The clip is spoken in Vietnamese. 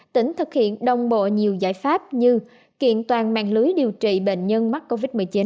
tỉnh thực hiện đồng bộ nhiều giải pháp như kiện toàn mạng lưới điều trị bệnh nhân mắc covid một mươi chín